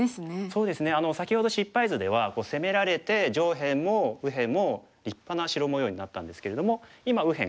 そうですね先ほど失敗図では攻められて上辺も右辺も立派な白模様になったんですけれども今右辺